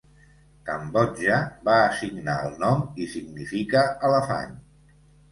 Cambodja va assignar el nom i significa elefant.